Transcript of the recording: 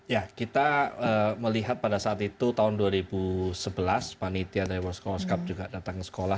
ya kita melihat pada saat itu tahun dua ribu sebelas panitia dari worst card cup juga datang ke sekolah